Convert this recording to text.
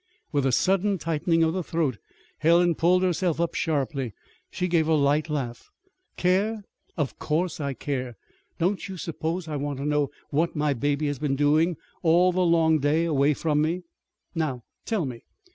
With a sudden tightening of the throat Helen pulled herself up sharply. She gave a light laugh. "Care? Of course I care! Don't you suppose I want to know what my baby has been doing all the long day away from me? Now, tell me.